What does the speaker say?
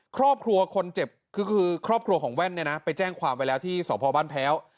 ครอบครัวคนเจ็บคือครอบครัวของแว่นเนี่ยนะไปแจ้งความไว้แล้วที่สพบ้านแพ้ว